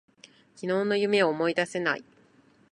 昨日の夢を思い出せない。